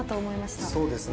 そうですね。